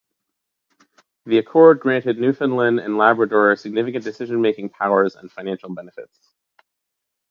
The Accord granted Newfoundland and Labrador significant decision-making powers and financial benefits.